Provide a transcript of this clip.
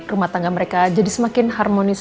rumah tangga mereka jadi semakin harmonis